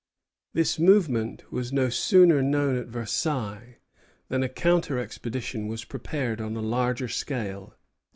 This movement was no sooner known at Versailles than a counter expedition was prepared on a larger scale.